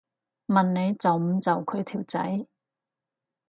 問你做唔做佢條仔